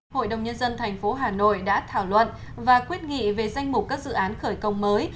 hội đồng nhân dân thành phố hà nội đã thảo luận và quyết nghị về danh mục các dự án khởi công mới